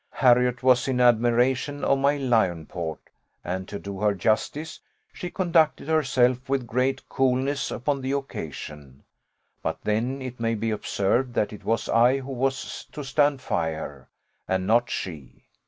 Harriot was in admiration of my 'lion port;' and, to do her justice, she conducted herself with great coolness upon the occasion; but then it may be observed, that it was I who was to stand fire, and not she.